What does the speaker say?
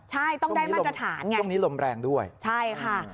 ใช้ต้องได้มากกระถานเนี้ยตรงนี้ลมแรงด้วยใช่ค่ะ